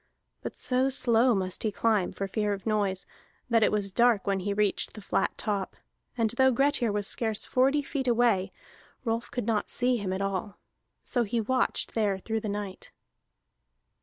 But so slow must he climb, for fear of noise, that it was dark when he reached the flat top; and though Grettir was scarce forty feet away, Rolf could not see him at all. So he watched there through the night.